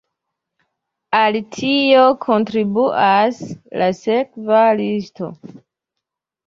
Al tio kontribuas la sekva listo.